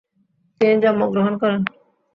তিনি জন্মগ্রহণ করেন।